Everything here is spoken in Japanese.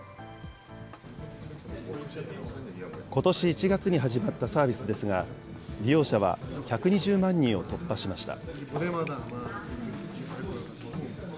ことし１月に始まったサービスですが、利用者は１２０万人を突破しました。